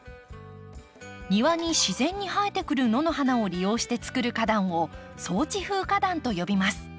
庭に自然に生えてくる野の花を利用して作る花壇を草地風花壇と呼びます。